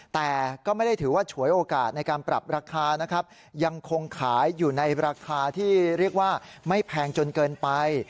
แต่ก็ไม่ได้ถือว่าฉวยโอกาสในการปรับราคานะครับยังคงขายอยู่ในราคาที่เรียกว่าไม่แพงจนเกินไป